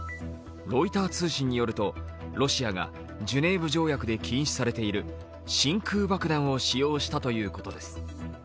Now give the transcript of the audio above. ロイター通信によるとロシアがジュネーブ条約で禁止されている真空爆弾を使用したということです。